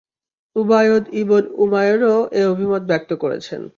Ubaid ibn উমায়রও এ অভিমত ব্যক্ত করেছেন।